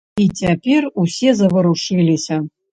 І цяпер усе заварушыліся.